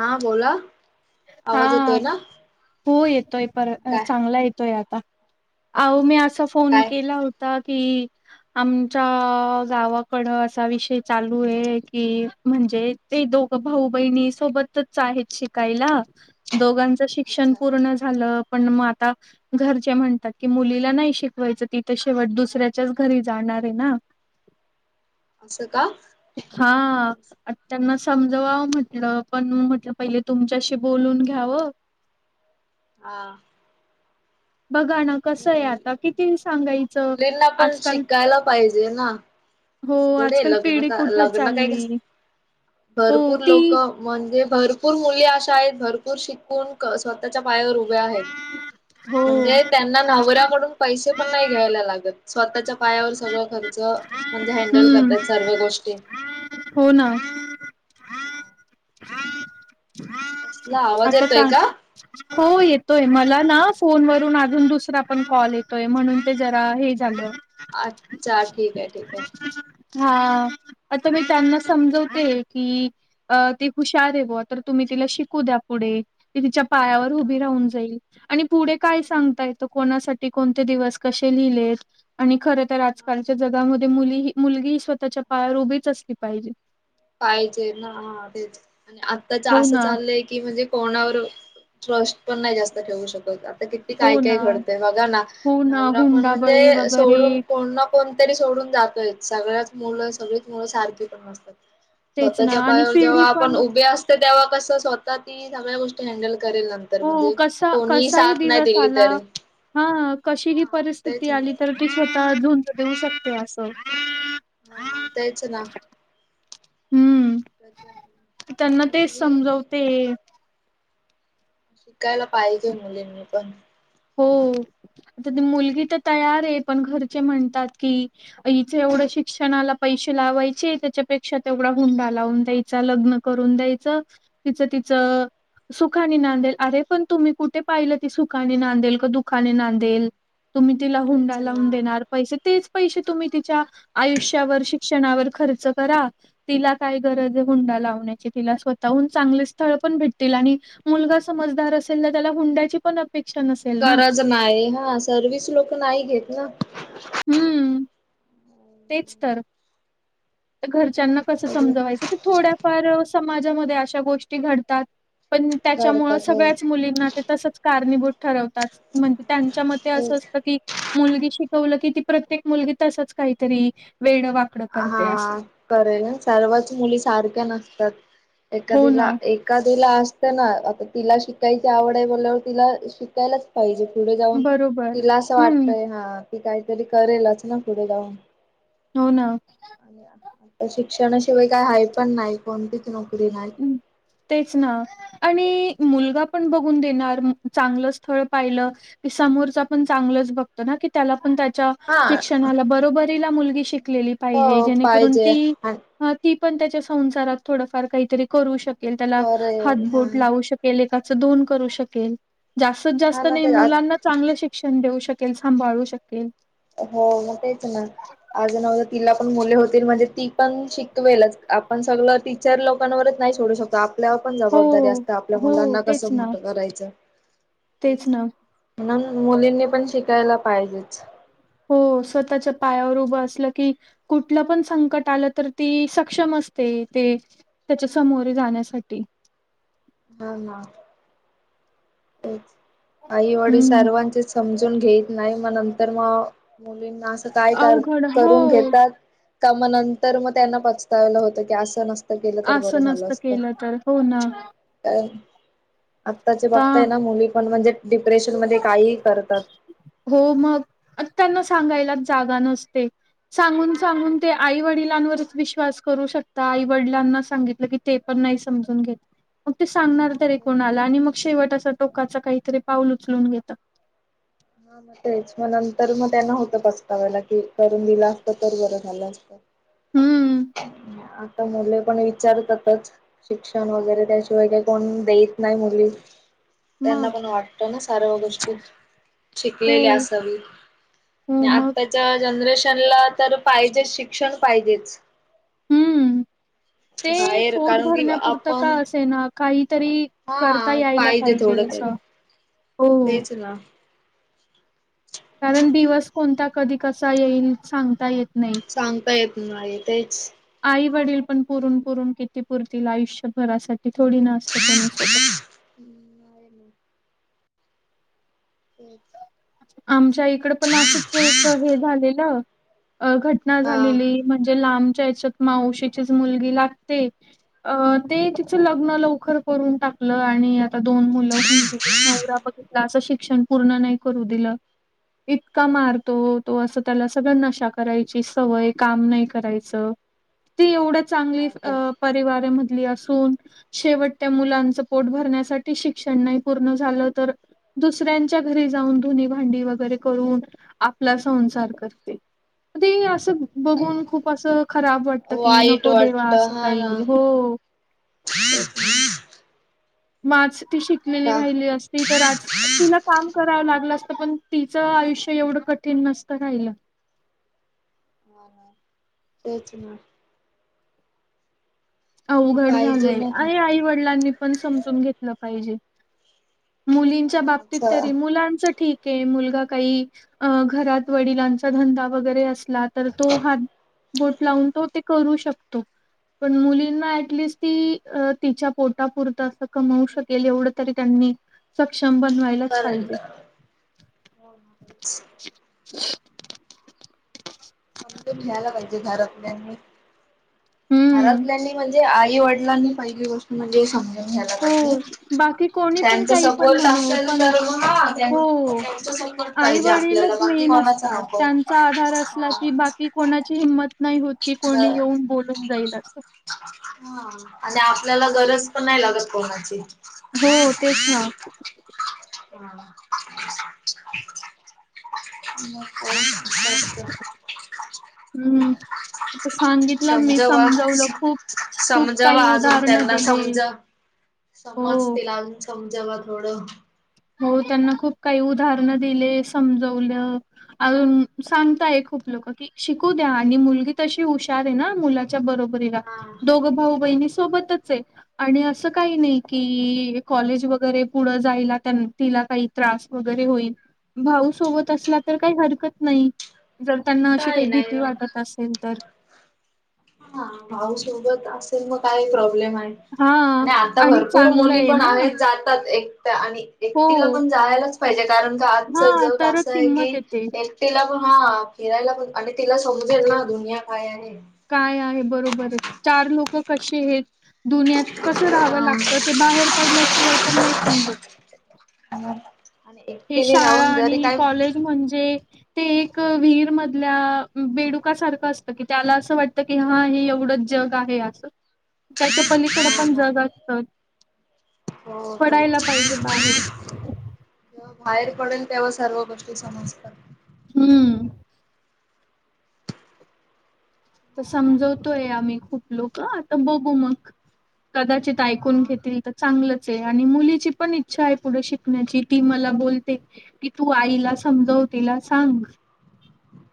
हा बोला. हा आवाज येतोय ना हो येतोय पर काय चांगला येतोय आता. अहो मी हा असा फोन काय केला होता. कि आमच्या गावाकड असा विषय चालू आहे की म्हनती म्हण ते दोघ भाऊ बहिणी सोबतच आहेत शिक कायला दोघांच शिक्षण अच्छा पूर्ण झालं. पण मग आता घरचे म्हणतात, क मुलीला नाही शिकवायचं तिथे शेवट दुसऱ्याच्याच घरी जाणार नारहेना असं का हा अत त्यांनाच समजवाव म्हटलं, पण म्हटलं, पहिले तुमच्याशी बोलून घ्यावं. हां. बघा ना कसं नाही आहे मुली आता किती सांगायचं. मुलींना पण आजकाल शिकायला पाहिजे ना, हो असं थोडे आजकाल लग्न, पिढी का कुठे लग्न, काय का चालली हो भरपूर ती लोकं म्हणजे भरपूर मुली अशा आहेत भरपूर शिकून स्वतःच्या प पायावर उभे आहेत हो म्हणजे त्यांना नवऱ्याकडून पै पैसे पण घ्यायला नाही लागत स्वतःच्या पायावर सगळं खर्च म्हणजे हेन्ड [unintelligible] ल हम्म करतयात सर्व गोष्टी. हो ना, [inaudible] कसला आवाज आता येतोय काय? का हो येतोय मला ना, फोनवरून अजून दुसरा पण कॉल येतोय म्हणून ते जरा हे झालं. अच्छा ठीक आहे ठीक आहे. हां आता मी त्यांना समजवते की ते हुशार आहे बुवा तर तुम्ही तिला शिकू द्या. पुढे ती तिच्या पायावर हा उभी राहून जाईल आणि पुढे काय सांगता येतं कोणासा ठी कोणते दिवस कसे लिहिलेत आणि खरं तर आजकालच्या जगामध्ये मुली म- मुलगी ही स्वतःच्या पायावर उभीच असली पाहिजे. पाहिजे ना, हां तेच आणि आत्ताचं हो असं ना चाललंय की म्हणजे कोणावर श्वास पण नाही जास्त ठेवू शकत आप किती हो काय काय ना घडतय बघा ना. हो ना नवरा पण हुंडा बळी म्हणजे वगैरे सोडून कोण ना कोणतरी सोडून जातोय. सगळ्याच मुलं सगळीच मुलं सारखी पण नसतात. तेच ना स्वतःच्या आणि पायावर जेव्हा पिढी पण आपण उभे असतोय तेव्हा कसं स्वतः ती सगळ्या गोष्टी हँडल करेल नंतर हो म्हणजे कसा कोणीही साथ नाही दिली तरी हां कशी ही परिस्थिती तेच आली ना तर ती स्वतः झुंज देऊ शकते असं. हा तेच ना. [inaudible] हम्म त्यांना [inaudible] तेच मुलींनी समजवते शिकायला पाहिजे मुलींनी पण. हो आता मुलगी तर तयार आहे पण घरचे म्हणतात की हिचे एवढं शिक्षणाला पैसे लावायचे. त्याच्यापेक्षा तेवढा हुंडा लावून द्यायचा लग्न करून द्यायचं. तिच तिच सुखानी नांदेल. अरे पण तुम्ही कुठे पाहिलं? ती सुखा ने नांदेल की दुखाने नांदेल? तुम्ही तिला हुंडा तेच ना लावून देणार पैसे तेच पैसे तुम्ही ति च्या आयुष्यावर, शिक्षणावर. खर्च करा तिला काय गरज आहे हुंडा लावण्याची? तिला स्वतःहून चांगली स्थळ पण भेटतील. आणि मुलगा समजदार असेल ना त्याला हुंड्याची पण अग गरज नाही. हां सर्वीस लोक नाही घेत ना. हम्म. तेच तर [inaudible] घर त्यांना कसं सगळे समजवायच की, थोड्याफार समाजामध्ये अशा गोष्टी घडतात. पण त्याच्यामुळं काढतात हो सगळ्याच मुलींना ते तसंच कारणीभूत ठरवतात. म्हणजे त्यांच्या मते असं तेच असतं की मुलगी शिकवलं की ती प्रत्येक मुलगी तसंच काहीतरी वेड वाकडं करेल. हां करेल सर्वच मुली सारख्या नसतात. हो एखादीला ना एका तिला असत ना आता तिला शिकायची आवड आहे बोल ल्यावर तिला शिकायलाच पाहिजे. पुढे जाऊन बरोबर तिला असं हम्म वाटतंय हां ती काहीतरी करेलच ना पुढे जाऊन. हो ना. आणि आता- आता शिक्षणाशिवाय काय हाय पण नाही कोणतीच नोकरी नाही हम्म, तेच ना आणि मुलगा पण बघून देणार, मग चांगलं स्थळ पाहिलं की समोरचा पण चांगलंच बघतो न ना की त्याला पण त्याच्या हा शिक्षणाला बरोबरीला मुलगी शिक लेली पाहिजे, हो जेणेकरून पाहिजे ती अ ती पण त्याच्या संसारात थोडफार काहीतरी करू शकेल, त्याला करेल हा हातबोट लावू शकेल एका कग दोन करू शकेल, जास्तीत हा जास्त ना नाही ते आत मुलांना चांगलं शिक्षण देऊ शक केल सांभाळू शकेल. हो मग तेच ना आज न उद्या तिला मुले होतील म्हणजे ती पण शिकवेलच, आपण सगळं टीचर लोकांवरच नाही सोडू शकत आ पल्यावर पण हो जबाबदारी असतं आपल्या हो मुलांना तेच कसं ना मोठं करायचं. तेच ना. म्हणून मुलींनी पण शिकायला पाहिजेच. हो, स्वतःच्या पायावर उभं असलं की कुठलं पण संकट आलं तर ती सक्षम अस ते ते त्याच्या समोरे जाण्यासाठी. ह ना तेच, आईवडील हं. सर्वांचे समजून घेत नाही, मग नंतर मग मुलींना असं काय कर अवघड हो, करून घेतात का मग नंतर मग त्यांना पचतायला होतं की असं नस त गेलं तर बरं असं झालं नसतं असतं, केलं तर. हो ना. काय आत्ताचे आता बघताय ना मुली पण म्हणजे डिप्रेशन मध्ये काही करतात. हो, मग अ, त्यांना सांगायलाच जागा नसते सांगून सांगून ते हा आई वडिलांवर विश्वास करू शकता आई वडलांना सांगितलं की ते पण नाही समजून घेत सांगणार तरी कोणाला आणि मग शेवट अस टोकाचं काहीतरी पाऊल उचलून घेत ह ना तेच मग नंतर मग त्यांना होतं पस्ताव्याला कि करून दिलं असतं तर बरं झालं असत हं, [unintelligible] आ मुले पण विचारतातच शिक्षण वगैरे त्याशिवाय काही कोण देत नाही मुली मग. त्यांना पण वाटतं ना सर्व गोष्टी शिकलेली हो, असावी हो मग. आताच्या जनरेशन म्हणलं तर पाहिजे शिक्षण पाहिजेच. हं. ते बाहेर पोट कारण कि आपण तरी करता हा यायंला पाहिजे थोडं काही असं हो, तेच ना. कारण दिवस कोणता कधी कसा येईल सांगता येत नाही सांगता येत नाही तेच आई वडील पण हा पुरून पुरून किती कितीपुरतीला आयुष्यभरासाठी थोडी नास्त कोणीसोबत तेच. आमच्या इकडं पण असंच एक हे झालेलं अ घटना झालेली हा म्हणजे लांब च्यात मावशीची मुलगी लागते अ ते तिचं लग्न लवकर करून टाक. आपल आणि आता दोन मुलं होऊन गेले नवरा बघितला असं शिक्षण पूर्ण नाही करू दिलं. इतका मारतो तो असं त्याला सगळं नशा करायची सवय काम नाही करायचं ती एवढ्या चांगली का परिवारामधली अस शेवटत्या मुलांच पोट भरण्यासाठी शिक्षण नाही पूर्ण झालं तर दुसऱ्यांच्या घरी जाऊन धुनी भांडी वगैरे करून आपला संसार करते. ते असं बघून खूप असं खराब वाटतं की वाईट नको देवा वाटत असं हा ना काही हो. म आज ती शिकलेली आता राहिली असती तर आज तिला काम करावं लाग त पण तिचं आयुष्य एवढं कठीण नसतं राहील ह ना तेच ना. अवघड पाहिजे झालंय ना अ ते आई वडिलांनी पण समजून घेतलं पाहिजे. मुलींच्या बाबतीत हा तरी मुलांचं ठीक मुलगा काही अ घरात वडिलांचा धंदा वगैरे असला तर तो हा बोट लावून तो ते करू शकतो. पण मुलींना ॲटलिस्ट ती तिच्या पोटा पुरतं असं कमवू शकेल एवढं तरी त्यांनी सक्षम बनवायलाच करायलाच पाहिजे. समजून घ्यायला पाहिजे घरातल्यानी हम्म. घरातल्यांनी म्हणजे म्हण आई वडला आणि पहिली गष्ट म्हणजे हे समज घ्यायला हो, पाहिजे बाकी कोणी पण त्यांचा काही पण सपोर्ट म्हणो, असेल पण तर हो, म पाजे आई-वडीलच आपल्याला बाकी मेन कोणाच असतात. नको. त्यांचा आधार असला की बाकी कोणाची हिंमत नाही होत की कोणी हा येऊन बोलून जाईल अस हा आणि आपल्याला गरज पण नाही लागत कोणाची. हो तेच ना. [unintelligible] [unintelligible] हम्म. आता सांगितलं मी समजवलं खूप खूप समजव काही अजून उदाहरणं त्यांना दिली. समज हो. समज तिल समजावा थोडं हो त्यांना खूप काही उदाहरण दिले समजवलं अजून सांगताय खूप शू द्या आणि मुलगी तशी हुशार आहे ना मु बरोब हा. दोघ भाऊ ब सोबत आहे आणि अस काही नाही कि कॉलेज वगरे पुढ जाय तिला काही त्रास वगैरे होईल भाऊ सोबत असला तर काही हरकत नाही जर त्यांना अशी काही नाही भीती वाटत असेल तर हा भाऊ सोबत अस मग काही प्रॉब्लेम आहे हा आणि आता भरपूर चांगलं मुली आहे पण ना आहेत जातात एक आणि हो एकटीला पण जायलाच पाहिजे कारण का हा आजच जग असं तरच आहे की हिंमत येते. एकटीला पण हा फिरायला पण आणि तिला समजेल ना दुनिया काय आणि काय आहे बरोबर आहे चार लोक कशी आहेत दुन्यात कसं राहावं हा. लागत ते बाहेर पडण्याशिवाय पण नाही समजत आणि हे एकटीने शाळा राहून जरी आणि काय कॉलेज म्हणजे ते एक विहीर मधल्या बेडुका सारखं असतं की त्याला असं वाटत की हा हे एवढं जग आहे अस त्याच्या पलीकड हो पण ना जग असत हो ते पडायला पाहिजे बाहेर जव्हा बाहेर पडेल तेव्हा सर्व गोष्टी समजतात हम्म तर समजवतोय आम्ही खूप लोक आता बघू मग कदाचित ऐकून हा घेतील तर चांगलंच आहे आणि मुलीची पण इच्छा आहे पुढे शिकण्याची ती मला बोलते की तू आईला समजवतील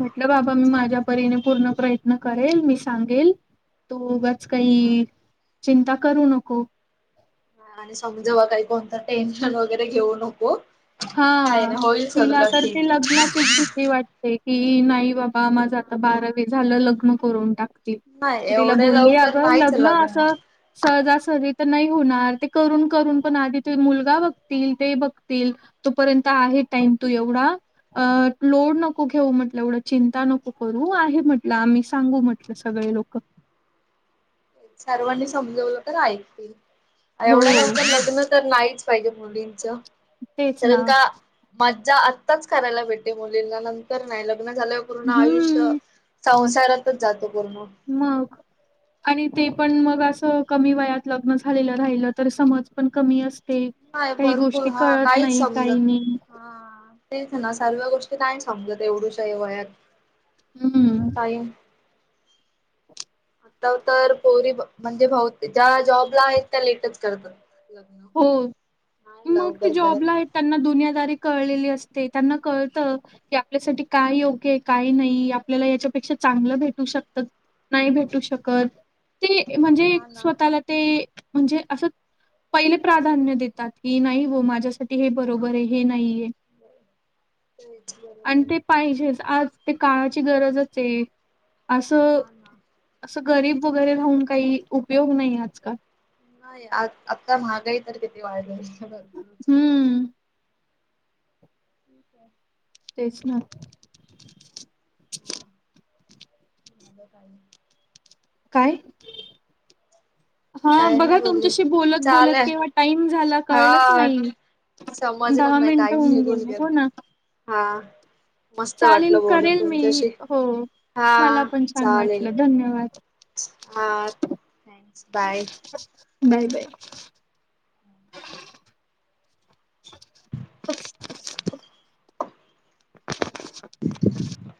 म्ह मी अच्छा माझ्या प हा पूर् प्रय मी सांगेल तोगच काही चिंता करू नको हा आणि समजेव काही कोणतं टेन्शन वगैरे घेऊ नको काय हा नाही होईल तिला सगळं तर ठीक. ती लग्नाचीच भीती वाटते ही नाही बाबा माझं आता बारावी झालं लग्न करून टाक नाही तिला एवढे बोलली लवकर अग नाहीच लग्न असं सहजासहज तर नाही होणार ते करून करून नाही पण होणार. आधी त मुलगा बघतील ते बघतील तोपर्यंत आहे टाइम तू एवढा अ लोड नको घेऊ म्हटलं एवढं चिंता नको करू आहे म्हटलं आम्ही सांगू म्हटलं सगळं लुक सर्वांनी समजवलं तर ऐकतील हो, एवढ्या नव लग्न तर नाहीच पाहिजे मुलींच तेच ना. तरण का मा ज्या आत्ताच करायला भेटे मुलींना नंतर नाही लग्न झाल्या पूर्ण आयुष्य हं, सं शहरातच जातो पूर्ण. मग आणि ते पण मग अस कमी वयात लग्न झालेलं राहिलं तर समज पण कमी असत ते नाही काही भरपूर गोष्टी हा कळत काहीच नाही काही समजत नाही हा तेच ना सर्व गोष्टी काय समजत एवढुच आहे वयात थोडा हम्म टाईम आता तर पोरी म्हणजे ज्या जॉबला आहेत त्या लेटच करतात लग्न हो नाही मग ते लवकर करत. जॉबला आहेत त्यांना दुनिदारी कळेल त्यांना कळतं आपल्यासाठी काय योग्य काय नाही आपल्याला याच्यापेक्षा चांगलं भेटू शकत नाही भेटू शकत ते म्हणजे हा ना. स्वतःला ते म्हणजे असं पहिले प्राधान्य देतात की नाही हो माझ्यासाठी हे बरोबर आहे हे नाहीये तेच आणि बरोबर. ते पाहिजेच आज ते कामाची गरजच आहे असं हा ना असं गरीब वगैरे राहून काही उपयोग नाही आजकाल नाही आ आता महागाई तर किथे वाढला भरपूरच हम्म ठीक आहे. तेच ना. हा, [unintelligible] काय काय? हा काय बघा नाही बोलले तुमच्याशी बोलत बोलत चालय केव्हा टाइम झाला कळलंच हा नाही, समजलंच दहा नाही मिनिटं टाईम होऊन निघून गेलं, गेला हो ना. हा. मस्त चालेल वाटलं बोलून करेल मी तुमच्याशी, हो. हा मला पण छान चालेल. वाटलं धन्यवाद. हा, थँक्स! बाय. Bye bye. [unintelligible] [inaudible]